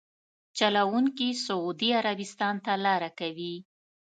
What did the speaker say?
چلونکي سعودي عربستان ته لاره کوي.